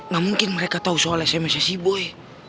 gak mungkin mereka tau soal smsnya si boy